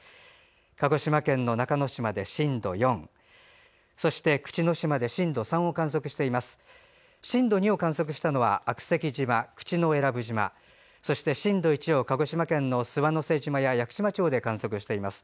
鹿児島県の中之島で震度４そして、口之島で震度３を観測しています。